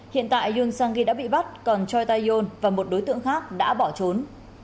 hiện tại yoon sang gi đã bị bắt còn choi tae yol và một đối tượng khác đã bỏ trốn